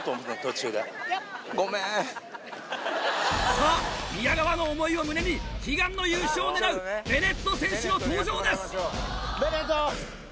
さぁ宮川の思いを胸に悲願の優勝を狙うベネット選手の登場です！